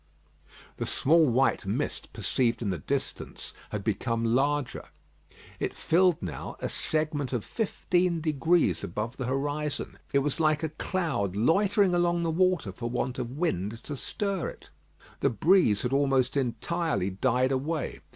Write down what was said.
'" The small white mist perceived in the distance had become larger. It filled now a segment of fifteen degrees above the horizon. It was like a cloud loitering along the water for want of wind to stir it. The breeze had almost entirely died away.